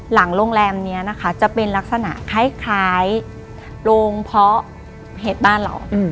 หลังโรงแรมนี้นะคะจะเป็นลักษณะคล้ายโรงเพาะเหตุบ้านเรา